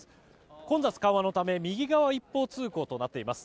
混雑緩和のため右側一方通行となっています。